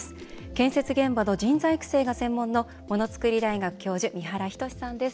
建設現場の人材育成が専門のものつくり大学教授三原斉さんです。